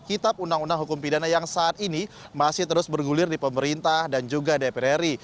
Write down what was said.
kitab undang undang hukum pidana yang saat ini masih terus bergulir di pemerintah dan juga dpr ri